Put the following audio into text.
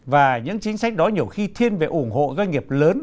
và những chính sách đó nhiều khi thiên về ủng hộ doanh nghiệp lớn